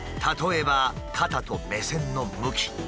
例えば肩と目線の向き。